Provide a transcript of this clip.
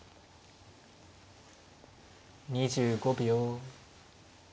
２５秒。